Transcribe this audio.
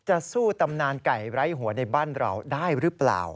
จะสู้ตำนานไก่ไร้หัวในบ้านเราได้หรือเปล่า